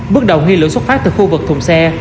bước đầu nghi lửa xuất phát từ khu vực thùng xe